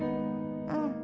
うん。